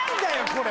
これ。